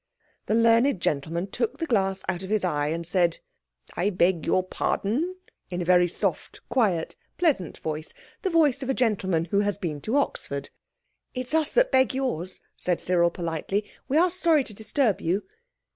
The learned gentleman took the glass out of his eye and said—"I beg your pardon," in a very soft, quiet pleasant voice—the voice of a gentleman who has been to Oxford. "It's us that beg yours," said Cyril politely. "We are sorry to disturb you."